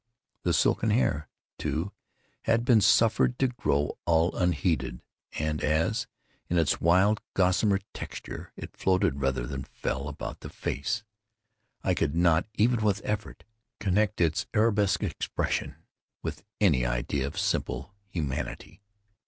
The silken hair, too, had been suffered to grow all unheeded, and as, in its wild gossamer texture, it floated rather than fell about the face, I could not, even with effort, connect its Arabesque expression with any idea of simple humanity.